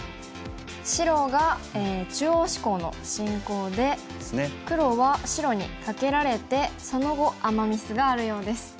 白が中央志向の進行で黒は白にカケられてその後アマ・ミスがあるようです。